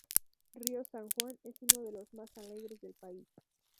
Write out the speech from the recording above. Río San Juan es uno de los más alegres del país.